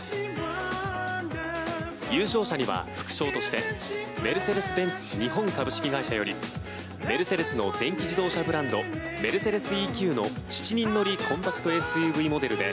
優勝者には副賞としてメルセデス・ベンツ日本株式会社よりメルセデスの電気自動車ブランドＭｅｒｃｅｄｅｓ−ＥＱの７人乗りコンパクトＳＵＶモデルで